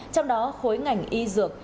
trong đó khối ngành y dược